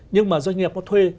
nhưng mà doanh nghiệp có thuê